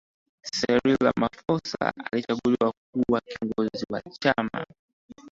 cyril ramaphosa alichaguliwa kuwa kiongozi wa chama